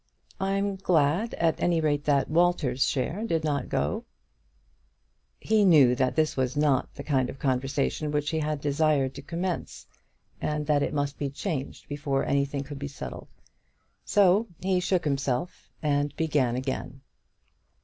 "I'm glad at any rate that Walter's share did not go." He knew that this was not the kind of conversation which he had desired to commence, and that it must be changed before anything could be settled. So he shook himself and began again.